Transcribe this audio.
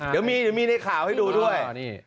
เดี๋ยวมีในข่าวให้ดูด้วย